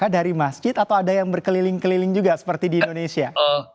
dari masjid atau ada yang berkeliling keliling juga seperti di indonesia